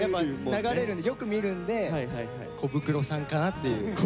流れるんでよく見るんでコブクロさんかなっていう。